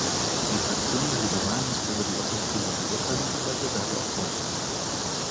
Die Fraktion der Liberalen ist über die objektive Beurteilung aller Bewerber erfreut.